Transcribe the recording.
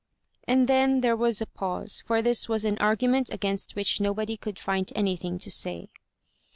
And then there was a pause, for this was an argument against which nobody could find anything to say.